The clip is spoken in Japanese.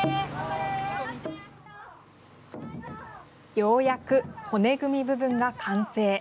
ようやく骨組み部分が完成。